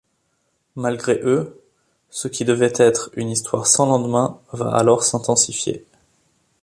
Malgré eux, ce qui devait être une histoire sans lendemain va alors s’intensifier.